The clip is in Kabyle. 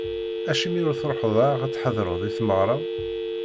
Acimi ur d-truḥeḍ ara ad tḥedreḍ i tmeɣra-w?